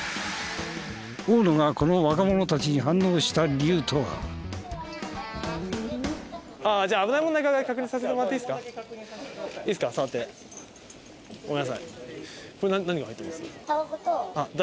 大野がこの若者たちに反応した理由とは。ごめんなさい。